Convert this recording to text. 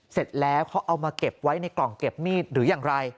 เสร็จแล้วเขาเอามาเก็บไว้ในกล่องเก็บมีดหรืออย่างไร